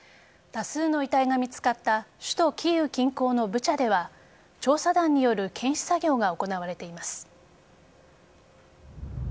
多数の遺体が見つかった首都・キーウ近郊のブチャでは調査団による検視作業が行われています。